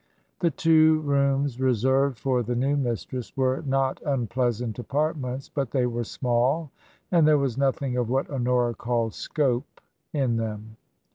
The two rooms reserved for the new mistress were not unpleasant apartments, but they were small, and there was nothing of what Honora called "scope" in them.